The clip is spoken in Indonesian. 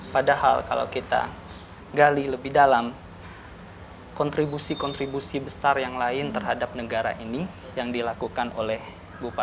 padahal kalau kita gali lebih dalam kontribusi kontribusi besar yang lain terhadap negara ini yang dilakukan oleh bupat mawati itu sangat besar